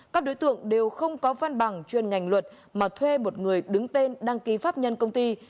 các đối tượng đều không có văn bằng chuyên ngành luật mà thuê một người đứng tên đăng ký pháp nhân công ty